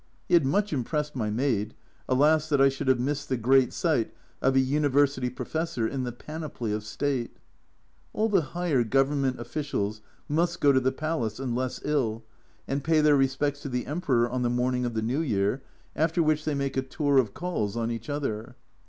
He had much impressed my maid, alas, that I should have missed the great sight of a University Professor in the panoply of state ! All the higher Government officials must go to the palace (unless ill) and pay their respects to the Emperor on the morning of the New Year, after which they make a tour of calls on each other.